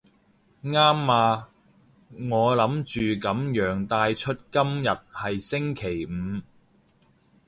啱啊，我諗住噉樣帶出今日係星期五